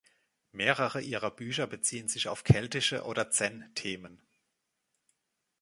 Mehrere ihrer Bücher beziehen sich auf keltische oder Zen-Themen.